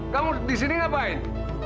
kamu di sini ngapain